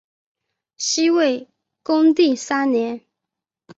西魏恭帝三年。